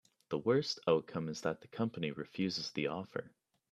The worst outcome is that the company refuses the offer.